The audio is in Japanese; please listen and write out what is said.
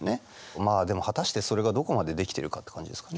まあでも果たしてそれがどこまでできてるかって感じですかね。